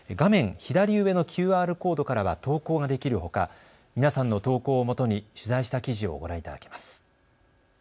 左上のＱＲコードからは投稿ができるほか皆さんの投稿をもとに取材した記事をご覧いただけます。